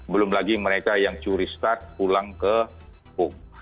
belum lagi mereka yang curi start pulang ke pub